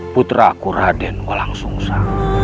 putraku raden olangsungsa